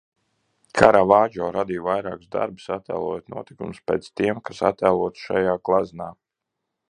Karavadžo radīja vairākus darbus, attēlojot notikumus pēc tiem, kas attēloti šajā gleznā.